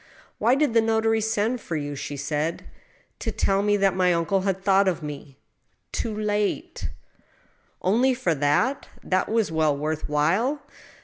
" Why did the notary send for you ?" she said. " To tell me that my uncle had thought of me ... too late !" "Only for that? That was well worth while!